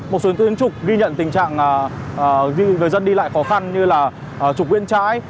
một số tuyến trục ghi nhận tình trạng người dân đi lại khó khăn như là trục nguyên trái